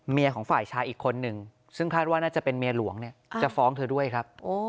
ของฝ่ายชายอีกคนนึงซึ่งคาดว่าน่าจะเป็นเมียหลวงเนี่ยจะฟ้องเธอด้วยครับ